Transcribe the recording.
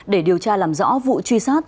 để điều tra làm rõ vụ truy sát